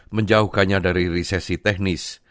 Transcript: menjauhkannya dari risesi teknis